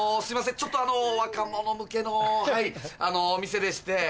ちょっとあの若者向けのはいお店でして。